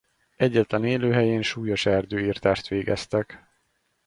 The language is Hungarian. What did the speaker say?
Egyetlen élőhelyén súlyos erdőirtást végeztek.